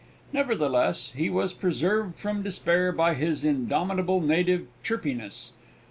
Nevertheless, he was preserved from despair by his indomitable native chirpiness.